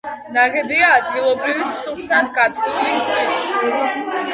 ნაგებია ადგილობრივი სუფთად გათლილი ქვით.